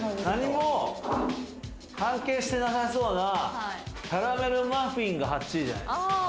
何も関係してなさそうなキャラメルマフィンが８位じゃないですか。